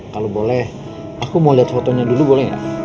kalau boleh aku mau lihat fotonya dulu boleh nggak